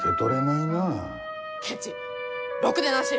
ケチろくでなし！